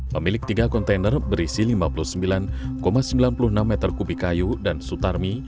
pemilik tiga kontainer berisi lima puluh sembilan sembilan puluh enam meter kubik kayu dan sutarmi